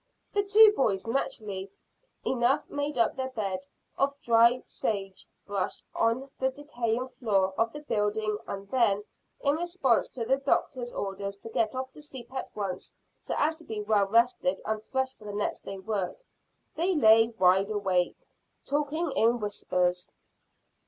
The two boys naturally enough made up their bed of dry sage brush on the decaying floor of the building, and then, in response to the doctor's orders to get off to sleep at once so as to be well rested and fresh for the next day's work, they lay wide awake, talking in whispers.